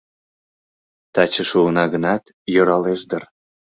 Таче шуына гынат, йӧралеш дыр